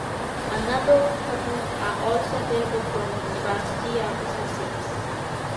A number of publications are also available from the University of Sussex.